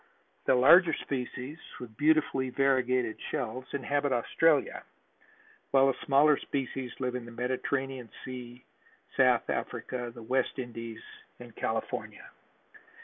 The larger species, with beautifully variegated shells, inhabit Australia, while the smaller species live in the Mediterranean Sea, South Africa, the West Indies and California.